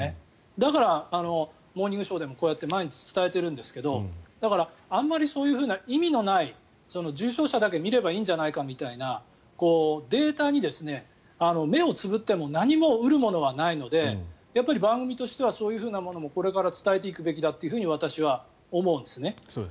だから「モーニングショー」でもこうやって毎日伝えてるんですけどだから、あんまり意味のない重症者だけ見ればいいんじゃないかみたいなデータに目をつぶっても何も得るものはないので番組としてはそういうものもこれから伝えていくべきだと私は思うんですね。